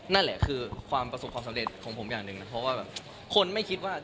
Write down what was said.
นั่นแหละคือความประสบความสำเร็จของผมอย่างหนึ่งนะเพราะว่าแบบคนไม่คิดว่า